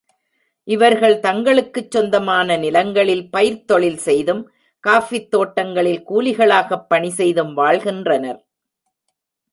இவர்கள் தங்களுக்குச் சொந்தமான நிலங்களில் பயிர்த் தொழில் செய்தும், காஃபித் தோட்டங்களில் கூலிகளாகப் பணி செய்தும் வாழ்கின்றனர்.